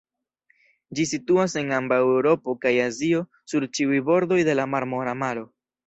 Ĝi situas en ambaŭ Eŭropo kaj Azio sur ĉiuj bordoj de la Marmora Maro.